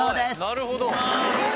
なるほど。